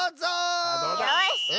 よし！